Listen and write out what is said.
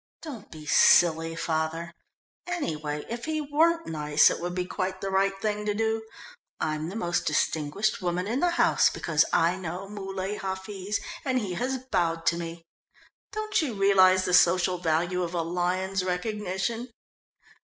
"Don't be silly, father; anyway, if he weren't nice, it would be quite the right thing to do. I'm the most distinguished woman in the house because I know Muley Hafiz, and he has bowed to me! Don't you realise the social value of a lion's recognition?"